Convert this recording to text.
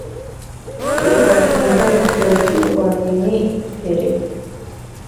კიბოს მუჟამს დოჭუნანი ფერი